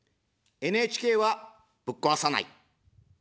ＮＨＫは、ぶっ壊さない。